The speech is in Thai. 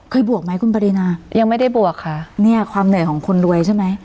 บวกไหมคุณปรินายังไม่ได้บวกค่ะเนี่ยความเหนื่อยของคนรวยใช่ไหม